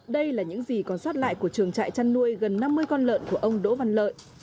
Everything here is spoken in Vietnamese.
đây là những gì còn sót lại của trường trại chăn nuôi gần năm mươi con lợn của ông đỗ văn lợi